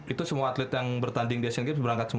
itu semua atlet yang bertanding di asian games berangkat semua